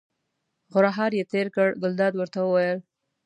غرهار یې تېر کړ، ګلداد ورته وویل.